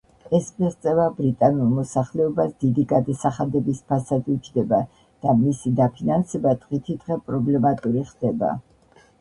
ეს მიღწევა ბრიტანულ მოსახლეობას დიდი გადასახადების ფასად უჯდება და მისი დაფინანსება დღითიდღე პრობლემატური ხდება.